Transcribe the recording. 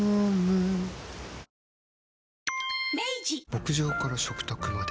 牧場から食卓まで。